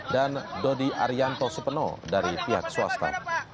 dan dodi arianto supeno dari pihak swasta